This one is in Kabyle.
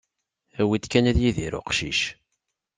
Awid kan ad yidir uqcic.